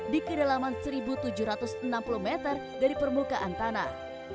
di kedalaman seribu tujuh ratus enam puluh meter dari permukaan tanah